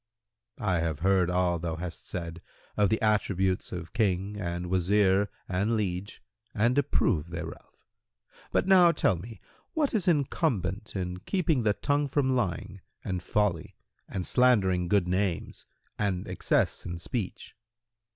Q "I have heard all thou hast said of the attributes of King and Wazir and liege and approve thereof: but now tell me what is incumbent in keeping the tongue from lying and folly and slandering good names and excess in speech."